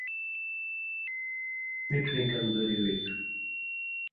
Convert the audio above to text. مِٹُھویں کمزوری ہُوئ تُھو